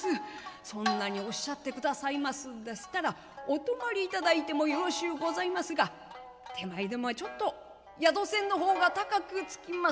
そんなにおっしゃってくださいますんでしたらお泊まりいただいてもよろしゅうございますが手前どもはちょっと宿銭の方が高くつきますが」。